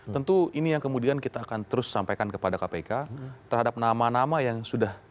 tentu ini yang kemudian kita akan terus sampaikan kepada kpk terhadap nama nama yang sudah